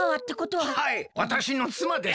はいわたしのつまです。